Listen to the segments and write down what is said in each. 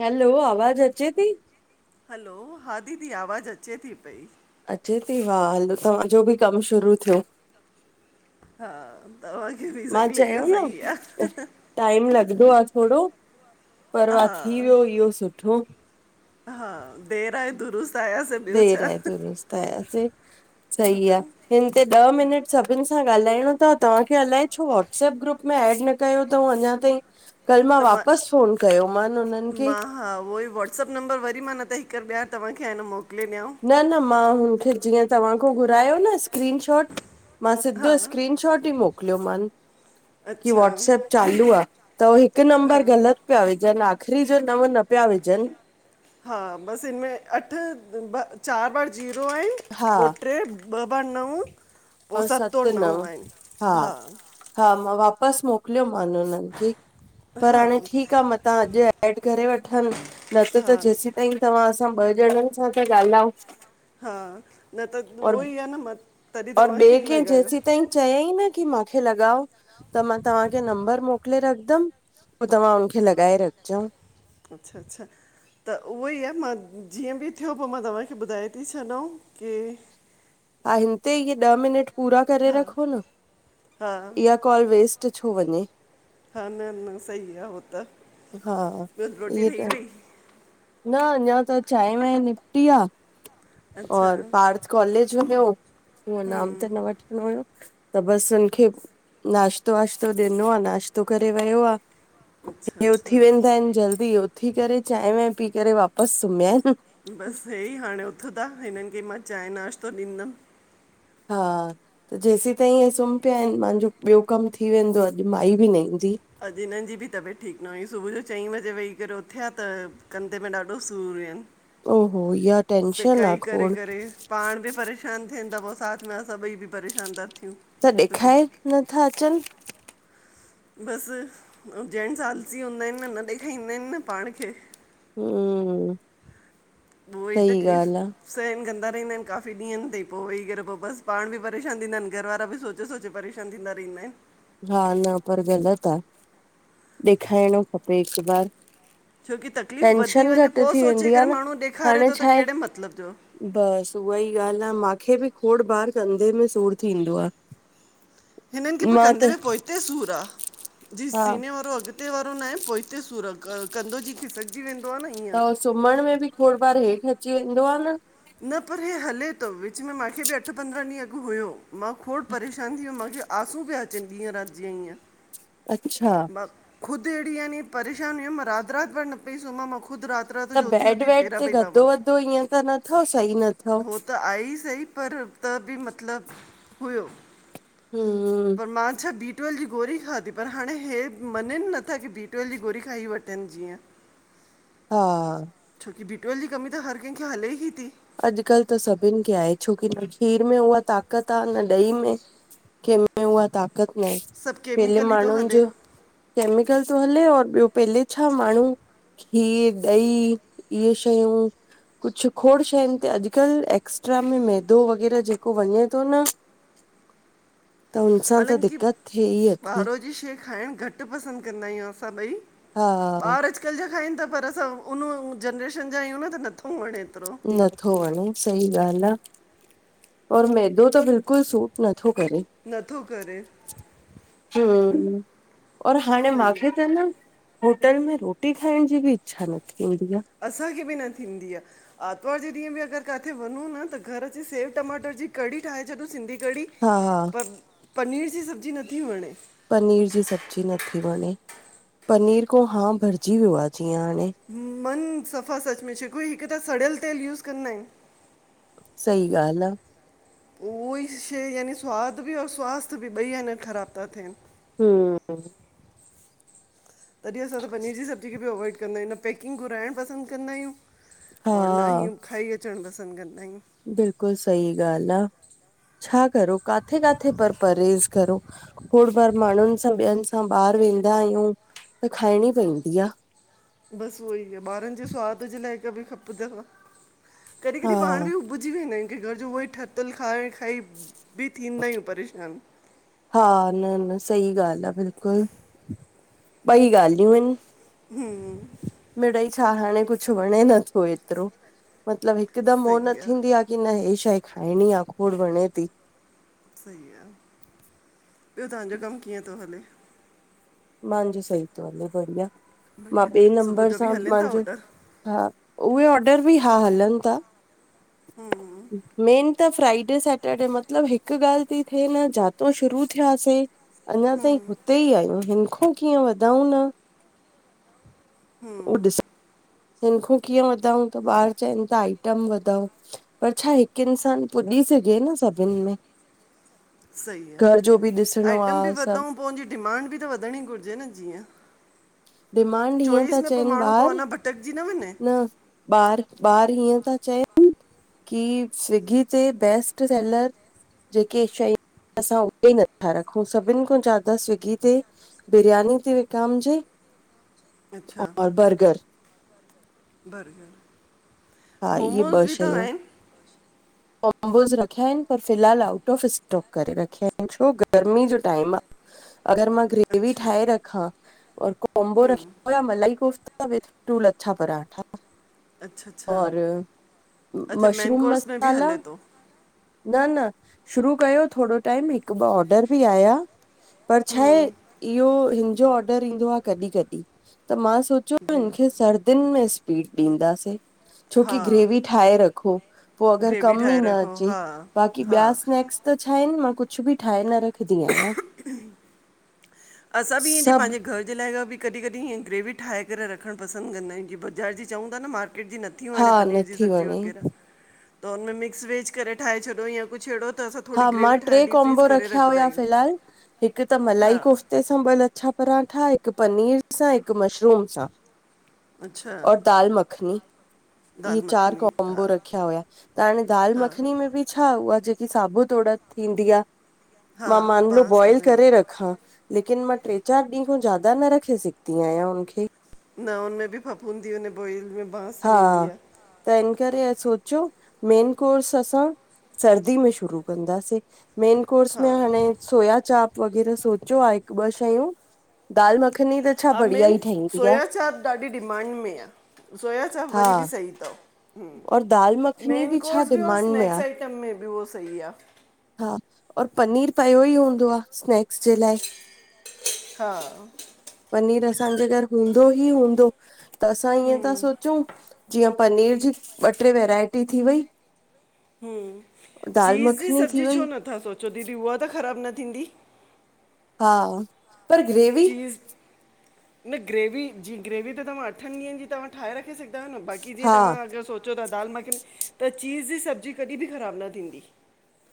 Hello आवाज अचे थी? हलो हा दीदी! आवाज़ अचे थी पई। अचे थी वाह, हलो तव्हांजो बि कम शुरू थियो। हा, तव्हांखे बि मां सही चयो लॻियो न सही आहे। टाइम लॻंदो आहे थोड़ो पर वा थी वियो इहो सुठो। हा, देर आए दुरुस्त, आयासीं ॿियो देर छा आए दुरुस्त आया से सही आहे। हिन तेे ॾह मिनट सभिननि सां ॻाल्हाइणो थव, तव्हांखे अलाए छो वाट्सप ग्रुप में एड न कयो अथऊं अञा ताईं। कल मा त मां वापस फोन कयो मान उनि खे मां हा उहो ई वाट्सअप नंबर वरी मां न त हिक ॿार तव्हांखे आहे न मोकले ॾियां। न- न, मां हुनखे जीअं तव्हां खो घुरायो न स्क्रीन शॉट! मां सिधो स्क्रीनशॉट ई मोकिलियोमांन। की अच्छा वॉट्सअप चालू आ, त उहो हिकु नम्बर ग़लत! पया विझनि आख़िरी जो नव न पया विझन। हा बसि हिन में अठ चारि बार जीरो आहिन हा पोइ टे ॿ ॿार नऊं पो और सतों सत ओर नव नऊं आहिनि, हा। हा मां वापसि मोकिलियो मान उन्हनि खे, पर हा हाणे ठीकु आ म तां अॼु एड करे वठनि न त हा त जेसी ऐं तव्हांसां ॿ ॼणनि सां ता ॻाल्हाऊं। हा न त उहो ई आ न म और ॿिए कंहिं जेसीं ताईं चयाई न की मूंखे लॻाओ त मां तव्हांखे नंबर मोक ले रखदमि पो तव्हां हुनखे लॻाए रखजो। अच्छा अच्छा त उहो ई आ मां जीअं बि थियो पो मां तव्हांखे ॿुधाए ती छॾाऊं कि हा हिन ते इहे ॾह मिनट पूरा करे हा रखो न हा इहा कॉल वेस्ट छो वञे। हा न न सही आ हो त हा ॿियो रोटी इहे ठही त वई न अञा त चांहि वाहि निपटी आ। अच्छा और पार्थ कॉलेज बि वियो, इएं नाम त न वठ त बसि हुनखे नाश्तो वाश्तो ॾिनो आ, नाश्तो करे वियो आ। अच्छा इते अच्छा उथी वेंदा आहिनि जल्दी, उथी करे चांहि वांहिं पी करे वापसि सुम्हिया आहिनि। बसि हे ई हाणे उथंदा हिननि खे मां चांहि नाश्तो ॾींदमि। हा। त जेसीं ताईं हे सुम्हीं पिया आहिनि मुंहिंजो ॿियो कमु थी वेंदो, अॼु माई बि न ईंदी। अॼु हिन्हनि जी बि तबियत ठीकु न हुई, सुबुह जो चईं बजे वेही करे उथिया त कंधे में ॾाढो सूर हुयनि। ओ हो ईहा टेंशन आ सिकाई करे खोड़। करे पाण बि परेशान थियनि ता पो साथ में असां ॿई बि परेशान ता थियूं। त ॾेखाए छोकी नथा अचनि। बसि पो जेंट्स आलसी हूंदा आहिनि न, न ॾेखाईंदाइन न पाण खे। ह्म्म उहो ई तकलीफ़ सहन कंदा रहंदा आहिनि काफ़ी ॾींहंनि ताईं पो वेही करे पो बसि पाण बि परेशान थींदा आहिनि, घर वारा बि सोच चे सोचे परेशान थींदा रहिंदा आहिनि। हा न पर ग़लति आ, ॾेखाइणो खपे हिकु बार। छो कि तकलीफ़ वधी टेंशन वञे घटि पो थी सोचे वेंदी आ करे न माण्हू ॾेखारे हाणे तो छा त आहे कहिड़े मतिलबु जो। बसि उहा ई ॻाल्हि आ, मांखे बि खोड़ बार कंधे में सूर थींदो आ। हिननि खे पो मां कंधे त में पोहिते सूर आ, जे हा सीने वारो अॻि अॻिते वारो नाहे, पोहिते सूर आ कंधो जीअं खिसकजी वेंदो आ न ईअं। त हो सुम्हण में बि खोड़ बार हेठि अची वेंदो आ न। न पर हे हले तो, विच में मांखे बि अठ पंद्रहं ॾींहं अॻु हुयो, मां खोड़ परेशान जीअं मांखे आसूं पिया अचनि ॾींहं राति जीअं हीअं। अच्छा। ख़ुदि अहिड़ी यानी परेशानी हुयमि, मां राति राति भर न पई सुम्हां मां ख़ुदि रात रात त जो उथी बेड उथी वेड फेरा ते पई पावां, गदो वदो ईअं त न अथव सही न अथव हो त आए ई सही पर त बि मतलब, हुयो। हूं पर मां छा बी ट्वेल जी गोरी खाधी, पर हाणे हे मञन नथा की बी ट्वेल जी गोरी खाई वठन, जीअं। [inaudible] हा छो कि बी ट्वेल जी कमी त, हर कंहिंखे हले ही ती। अॼकल् त सभिन खे आहे, छो कि न खीर में उहा ताकत आ न ॾही में। केंमें उहा ताक़त नाहें, सभु पेले केमिकल ई थो माण्हुन हले जो कैमिकल तो हले, और ॿियो पहले छा माण्हूं खीर, ॾही इए शयूं, कुछ खोड़ श हिते हुते अॼकल, एक्स्ट्रा में मैदो वग़ैरह जेको वञे थो न त उनसां त दिक़त थेई अथी। खाइड़ घट पसन्द कंदा आयूं असां ॿई, हा ॿार अॼकल जा खाइन ता पर असां उन जनरेशन जा आयूं न, त नथो वंणे न -थो वणे सही ॻाल आ, और मैदो त बिल्कुल सूट नथो करे। नथो करे। हूं, और हाणे सही आहे माखे त न होटल में रोटी खाएण जी बि इच्छा न थींदी आ। असांखे बि न थींदी आ। आतवार जे ॾींअ बि अगर काथे वनूं न त, घर अची सेव टमाटर जी कढ़ी ठाए छॾूं, सिंधी कढ़ी हा हा पर, पनीर जी सब्जी नथी वणे। पनीर जी सब्जी नथी वणे, पनीर कों हां भरजी वियो आ जीअं हाणे मन, सफ़ा सच में, छोकीई हिक त सड़यल तेल यूस कंदा आइन सही ॻाल आ। उओई शय यानी, स्वाद बि और स्वास्थ बि ॿई एन ख़राब ता थेन हूं तॾी असां त पनीर जी सब्जी खे बि अवॉइड कंदा आयूं, न पैकिंग घुराएण पसंद कंदा आयूं हा और ना ही, खाई अचण पसंद कंदायूं। बिल्कुल सई ॻाल आ, छा करो? काथे काथे पर, परहेज़ करो? खोड़ बार माणुन सां, ॿियन सां, ॿाहर वेंदा आयूं त खायणी पैंदी आ। बस उहोई आ, ॿारन जे स्वाद जे लाय कभी खपदो आ, कॾी कॾी हा पाण बि भुल्ॼी वेंदा आयूं, कि घर जो उहोई ठातल खाई खाई बि थींदा आयूं, परेशान। हा, न न सही ॻाल आ बिल्कुल, ॿई ॻाल्हियूं इन। हूं मिड़ई छा हाणे कुछ वणे नथो एतरो, मतलब हिकदम हो न सही आहे थींदी आ कि न, हे शय खाइणी आ खोड़ वणे ती। सही आ, ॿियो तांजो कम कीअं तो हले? मांजी सई थो हले बढ़िया, मां बढ़िया ॿे सुबुह नंबर जो सां बि हलनि था मांजो ऑडर हा, उहे ऑडर बि हा हलन ता मेन त फ्राइ डे से सैटर्ॾे मतलब हिक ॻाल्हि ती थे न, जातौं शुरू थ्यासे अञा ताईं हुते ई आयूं, हिन खो कीअं वधऊं न उह ॾिस, हिनखो कीअं वधऊं, त ॿार चएन था त आइटम वधाओ पर छा, हिक इंसान पुॼी सघे न सभ घर जो बि ॾिसणो आ सब पो उंजी डिमांड बि त वधणी घुरजे न जीअं डिमांड हीअं चोइस था न, पो चइनि माण्हू पो ॿार अञा भटकजी न वञे? ॿार, ॿार हीअं था चएन कि स्विगी ते बेस्ट सेलर जेके शयूं असां होॾे नथा रखूं, सभिन खां ज्यादा स्विगी ते बिरयानी ती विकामजे अच्छा और बर्गर बर्गर, हा इहे मोमोस बि त आएन। मोमोस रखिया आएन, पर फ़िलहाल आउट ऑफ स्टॉक करे रखिया आएन, छो गर्मी जो टाइम आ। अगर मां ग्रेवी अच्छा ठाए रखा और कोम्बो रख थोड़ा मलाई कोफ्ता विद टू लच्छा परांठा अच्छा अच्छा और, अच्छा मेन मशरूम कोर्स में बि मसाला हले थो न न शुरू कयो थोरो टाइम हिक ॿ ऑडर बि आया। पर छाहे, हम्म इयो हिनजो ऑडर ईंदो आ कॾी-कॾी त मां सोच जो जी हिनखे सर्दीन में स्पीड ॾींदासीं। छोकी हा ग्रेवी ठाहे रखो, पो अगर ग्रेवी कम ई ठाहे न रखो अचे, हा बाक़ी हा ॿिया स्नैक्स त छा आहिन मां कुछ बि ठाहे न रख असां बि इन सभु पांजे घर जे लाइ असां बि कॾी-कॾी हीअं ग्रेवी ठाहे करे रखण पसंद कंदा आयूं जीअं बाज़ार जी चऊं ता न मार्केट जी न त न थी हा वणे पनीर जी नथी सब्जी वणे वगैरहा, त उनमें मिक्सवेज करे ठाहे छॾो या कुछ ऐड़ो। त असां थोड़ी ग्रेवी ठाहे डीप फ्रीज़ करे रख या फिलहाल हिक त मलाई कोफ़्ते सां पो ॿ लच्छा परांठा हिक पनीर सां हिक मशरूम सां। अच्छा और दाल मखनी इय दाल चार मखनी हा कॉम्बो रखिया हुया त हाणे दाल हा मखनी में बि छा उहा जेकी साबुत उड़द थींदी आ, हा मां मान लो बांस बॉइल करे रखा लेकिन मां ट्रे चार ॾींहं खां ज्यादा न रखे सघंदी आयां हुनखे। न हुनमें बि फफूंदी उने बॉइल में बांस थी हा वेंदी आ। त इन करे अ सोचियो, मेन कोर्स असां सर्दी में शुरू कंदासीं मेन कोर्स हा में हाणे सोया चाप वगैर सोचो आ हिकु ॿ शयूं, दाल मखनी त छा हा बढ़िया ई मेनस ठहींदी आहे सोया चाप ॾाढी डिमांड में आ, सोया चाप हा वरी बि सही तव। और दाल हुम मखनी मेन छा कोर्स बि और डिमांड में स्नैक्स आहे आइटम में बि उहो सही आ। हा और पनीर पयो ई हूंदो आ स्नैक जे लाइ हा हम्म। पनीर असांजे घर हूंदो ही हूंदो। त असां ईअं ता सोचूं जीअं पनीर जी ॿ ट्रे वैरायटी थी वई। हम दाल चीज़ जी मखनी थी सब्जी वई छो नथा सोचो दीदी उहा त ख़राब न थींदी। हा पर ग्रेवी चीज़ न ग्रेवी जी ग्रेवी त तव्हां अठन ॾींहंनि जी तव्हां ठाहे रखे सघदा आहियो न, बाक़ी जीअं हा तव्हां अगरि सो चयो त दाल मखनी, त चीज़ जी सब्जी कॾि बि ख़राबु न थींदी।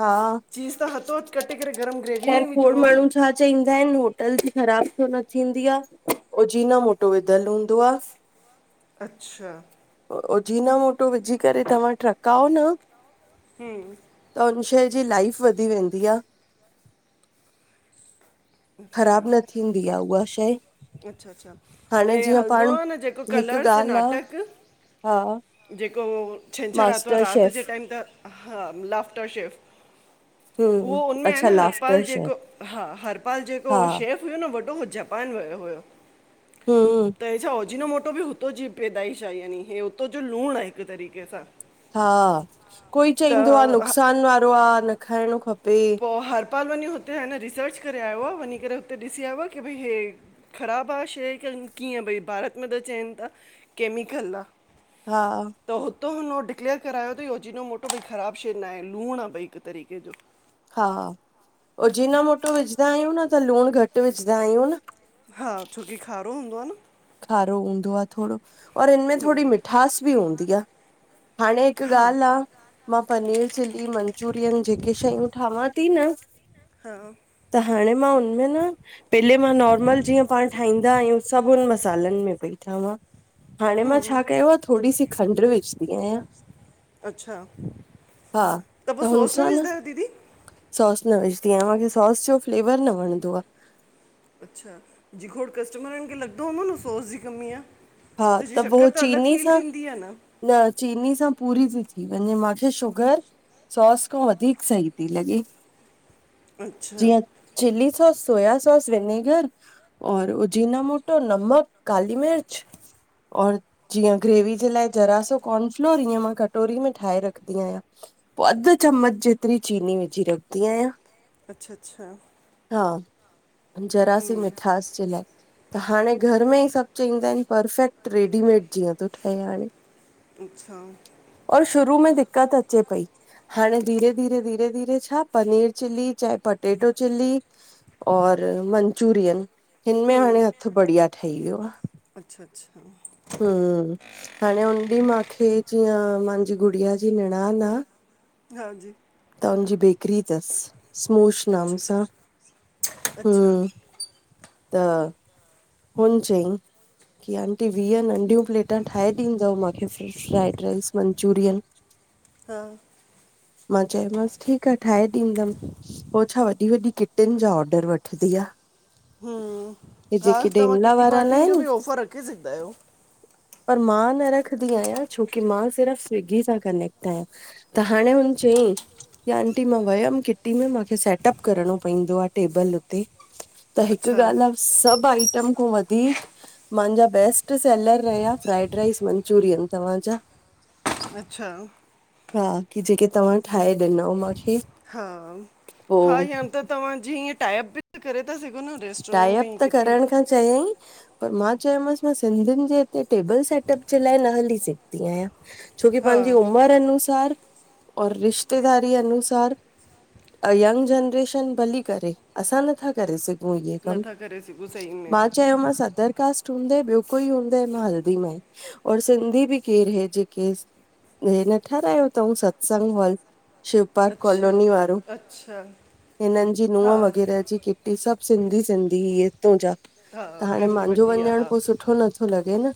हा चीज़ त हथो हथु कटे करे गरम ग्रेवी में ख़ैर ई खोड़ विझणो आ न। माण्हू छा चईंदा आहिनि होटल जी ख़राब कोन थींदी आ, ओजीना मोटो विधलु हूंदो आ। अच्छा। ओजीना मोटो विझी करे तव्हां टहिकाओ न हम्म। त हुन शइ जी लाइफ वधी वेंदी आ। अच्छा ख़राब न थींदी आ उहा शइ। अच्छा अच्छा, हाणे हेअ जीअं हलदो पाण आ न जेको हिकु कलर्स ते ॻाल्हि आ नाटक हा जेको हो, छंछरु आतवार मास्टर राति शेफ जे टाइम त हा लाफ्टर शेफ् उहो हम्म उनमें आहे अच्छा न हरपाल लाफ्टर जेको शेफ हा हरप ऐं जेको हा शेफ हुयो न वॾो उ जापान वियो हुयो। हम्म। त हे छा ओजिनोमोटो बि हुतो जी पैदाइश आहे यानी, हे हुतो जो लूणु आहे हिकु तरीक़े सां। हा, कोई त चईंदो आ ह- नुकसान वारो आहे न खाइणो खपे। पो हरपाल वञी हुते हेंने रिसर्च करे आयो आ, वञी करे हुते ॾिसी आयो आ की भई हे ख़राबु आहे शइ क कीअं भई भारत में त चवनि था केमिकल आ। हा। त हुतो उहो डिक्लेअर करायो थई हो अजीनोमोटो भई ख़राब शे ना आहे, लूण आ भई, हिक तरीक़े जो। हा, अजीनामोटो विझदा आहियूं न, त लूण घट विझदा आहियूं न। हा, छोकी खारो हूंदो हा न। खारो हूंदो आ थोङो, और हिनमें थोरी मिठास बि हूंदी आ। हाणे हिक हा ॻाल्ह आ मां पनीर चिली, मंचुरियन, जेके शयूं ठावां थी न हा। त हाणे मां हुनमें न, पेले मां नॉर्मल जीअं पाणं ठाहींदा आहियूं सभ हुनम सालन में पई ठांवां हाणे मां छा कयो आ, थोरी सी खंड्र विझदी आहियां। अचछा, हा त पो, सोस न विजदा आहियो दीदी? सॉस न विजदीआ, माखे सॉस जो फ़्लेवर न वणंदो आ। अच्छा, जे खोड़ कस्टमरन खे लॻदो हूंदो न सॉस जी कमी आ? हा त जीअ, पो शक्कर त अलग चीनी फील सां थींदी आ न। न चीनी सां पूरी ती थी वञे, माखे शुगर सॉस खों वधीक सही थी लॻे। अच्छा। जीअं chilli sauce, soya sauce, vinegar और उजीना मोटो, नमक, काली मिर्च [inaudible] और जीअं, ग्रेवी जे लाए ज़रा सो कॉर्नफ्लोर, ईअं मां कटोरी में ठायं रखदी आया। पो अध चमच जेतरी चीनी विझी रखदी आया। अच्छा अच्छा। हा जरा सी मिठास जे लाए, त हाणे घर र में सभ चईंदा आहिन परफेक्ट, रेडीमेड जीअं तो ठहे हाणे। अच्छा। और शुरू में दिक्क़त अचे पई हाणे धीरे धीरे धीरे धीरे छा, पनीर चिली, चाहे पटेटो चिली और मनचुरियन, हिनमें हाणे हथ बढ़िया ठही वियो आ। अच्छा अच्छा। हम्म। हाणे हुन ॾींहं मांखे, जीअं मांजी गुड़िया जी निणान आ हांजी। त हुंजी बेकरी तस, स्मुश नाम अच्छा सां, अच्छा अच्छा हम्म। त हुन चईं। कि आंटी वींय नंढियूं प्लेटा ठाहे ॾींदव, मांखे फ्राइड राइस मंचुरियन। हा मां चयोमांस ठीक आ, ठाहे ॾींदम। ओ छा, वॾी वॾी किटीन जा ऑडर वठदी आ। हम्म, हे हा जेके तव्हां डेमला किटी वारा न पार्टियुन, जो आहिनि बि ऑफर रखे सघदा आयो। पर मां न रखदी आयां, छोकी मां सिर्फ़ स्विगी सां कनेक्ट आयां। त हाणे हुन चयईं कि आंटी मां वयम किटी में मांखे सेटअप करणो पइंदो आ टेबल हुते त हिक अच्छा ॻाल आ, सभ आइटम खों वधीक मांजा बेस्ट सेलर रहया फ्राइड राइस मंचुरियन। तव्हांजा अच्छा। हां, कि जेके, तव्हां ठाहे ॾिनो मांखे हा, हा या त तव्हां जीअं टाॅयप बि करे ता सघो न, रेस्टोरेंट में टाइप ईय त किटी करण खां चयईं पर मां चयो मांस, मां सिंधिन जे हिते टेबल सेट अप जे लाइ न हली सघदी आयां। छो कि हा पांजी उमर अनुसार और रिश्तेदारीअ अनुसार ऐं यंग जनरेशन भली करे असां नथा करे सघूं इये कम नथा करे सघूं सही में मां चयोमांस अदर कास्ट हूंदइ ॿियो कोई हूंदइ मां हलदीमांए। और सिंधी बि केर हे जेके हे न ठारायो तऊं सत्संग हॉल शिव पार्क अच्छा कॉलोनी वारो अच्छा हिनन जी हा नुहं वग़ैरह जेकी ही सभ सिंधी सिंधी हिय हितऊं जा। हा त हाणे फैमिली मांजो वॾी आहे वञण हा पो सुठो नथो लॻे न।